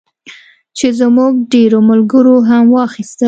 چې زموږ ډېرو ملګرو هم واخیستل.